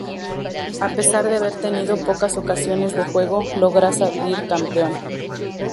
A pesar de haber tenido pocas ocasiones de juego, logró salir campeón.